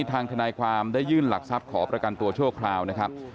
ทางทนายความได้ยื่นหลักทรัพย์ขอประกันตัวชั่วคราวนะครับ